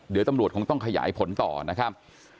เดี๋ยวตำรวจคงต้องขยายผลต่อนะครับ